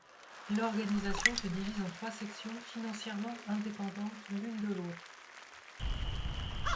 L'organisation se divise en trois sections, financièrement indépendantes l'une de l'autre.